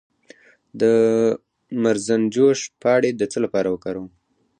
د مرزنجوش پاڼې د څه لپاره وکاروم؟